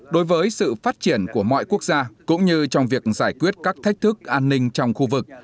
đối với sự phát triển của mọi quốc gia cũng như trong việc giải quyết các thách thức an ninh trong khu vực